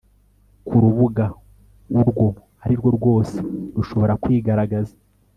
ku rubuga urwo arirwo rwose rushobora kwigaragaza